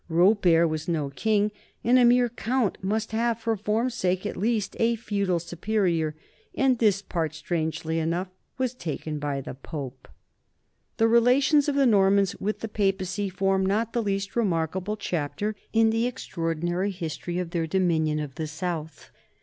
Robert was no king, and a mere count must have, for form's sake at least, a feudal superior. And this part, strangely enough, was taken by the Pope. The relations of the Normans with the Papacy form not the least remarkable chapter in the extraordinary history of their dominion in the south.